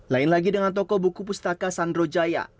lain lagi dengan toko buku pustaka sandro jaya